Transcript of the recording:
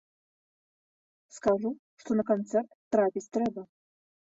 Скажу, што на канцэрт трапіць трэба!